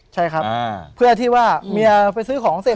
ใช่ครับเพื่อที่ว่าเมียไปซื้อของเสร็จ